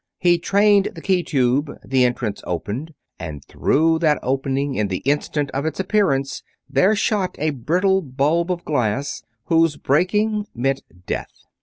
He trained the key tube, the entrance opened, and through that opening in the instant of its appearance there shot a brittle bulb of glass, whose breaking meant death.